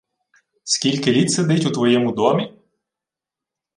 — Скільки літ сидить у твоєму домі?